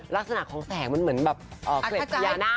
ลักษณะของแสงมันเหมือนแบบเกร็ดพญานาค